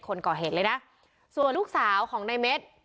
คนก่อเหตุเลยนะส่วนลูกสาวของในเม็ด